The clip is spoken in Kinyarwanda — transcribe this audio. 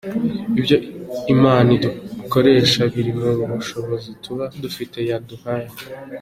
Ati “Ibyo Imana idukoresha biri mu bushobozi tuba dufite yaduhaye.